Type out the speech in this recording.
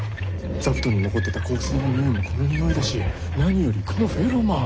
座布団に残ってた香水の匂いもこの匂いだし何よりこのフェロモン！